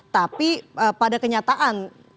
tapi pada kenyataan